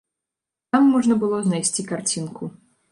Там можна было знайсці карцінку.